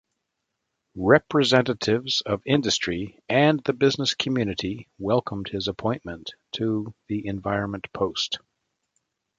Representatives of industry and the business community welcomed his appointment to the environment post.